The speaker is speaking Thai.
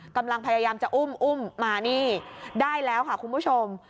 กำลังพยายามจะอุ้มอุ้มมานี่ได้แล้วค่ะคุณผู้ชม